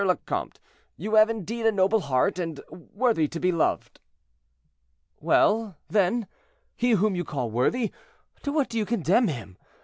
le Comte, you have indeed a noble heart, and worthy to be loved." "Well, then, he whom you call worthy, to what do you condemn him?